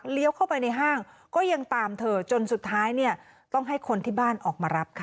เข้าไปในห้างก็ยังตามเธอจนสุดท้ายเนี่ยต้องให้คนที่บ้านออกมารับค่ะ